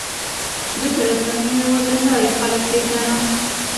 زه د رسنیو له لارې خلک پېژنم.